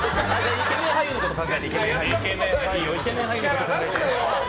イケメン俳優のこと考えて！